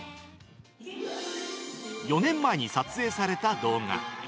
４年前に撮影された動画。